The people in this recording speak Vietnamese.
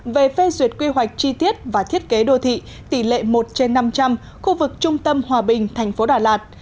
về phê duyệt quy hoạch chi tiết và thiết kế đô thị tỷ lệ một trên năm trăm linh khu vực trung tâm hòa bình thành phố đà lạt